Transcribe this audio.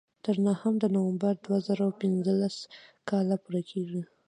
تر نهم د نومبر دوه زره پینځلس کال پورې.